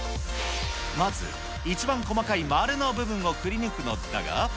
まず、一番細かい丸の部分をくりぬくのだが。